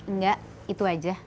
nggak itu aja